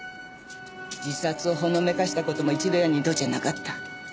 自殺をほのめかした事も一度や二度じゃなかった。